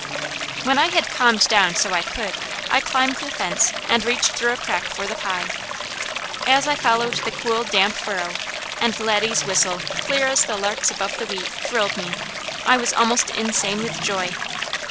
When I had calmed down so I could, I climbed the fence, and reached through a crack for the pie. As I followed the cool, damp furrow, and Laddie's whistle, clear as the lark's above the wheat, thrilled me, I was almost insane with joy.